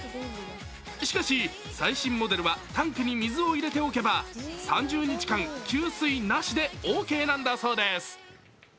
しかし、最新モデルはタンクに水を入れておけば３０日間、給水なしでオーケーなんだそうです。